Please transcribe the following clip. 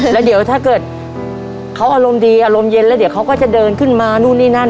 แล้วเดี๋ยวถ้าเกิดเขาอารมณ์ดีอารมณ์เย็นแล้วเดี๋ยวเขาก็จะเดินขึ้นมานู่นนี่นั่น